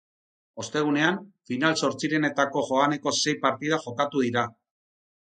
Ostegunean final-zortzirenetako joaneko sei partida jokatu dira.